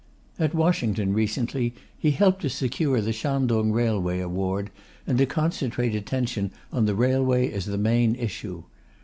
At Washington recently, he helped to secure the Shantung Railway award, and to concentrate attention on the railway as the main issue.